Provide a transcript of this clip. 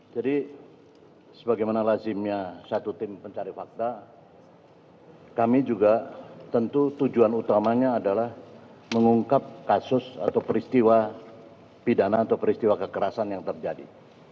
jadi sebagaimana lazimnya satu tim pencari fakta kami juga tentu tujuan utamanya adalah mengungkap kasus atau peristiwa pidana atau peristiwa kekerasan yang terjadi